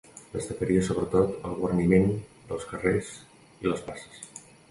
Destacaria sobretot el guarniment dels carrers i les places.